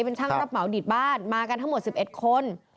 เป็นช่างรับเหมาดีดบ้านมากันทั้งหมด๑๑คน